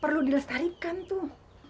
perlu dilestarikan tuh